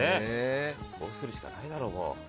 こうするしかないだろ、もう。